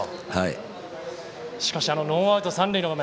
しかしノーアウト、三塁の場面。